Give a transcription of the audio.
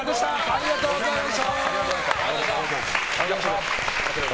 ありがとうございます。